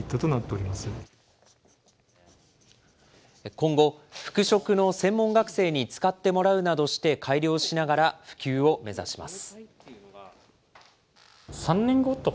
今後、服飾の専門学生に使ってもらうなどして、改良しながら、普及を目指します。